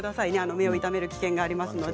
目を痛める危険があります。